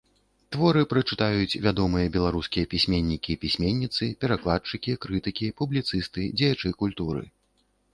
Творы прачытаюць вядомыя беларускія пісьменнікі і пісьменніцы, перакладчыкі, крытыкі, публіцысты, дзеячы культуры.